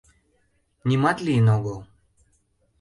— Нимат лийын огыл...